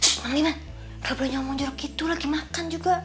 tuh mang liman lo belum nyomong jorok gitu lagi makan juga